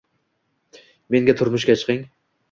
Menga turmushga chiqing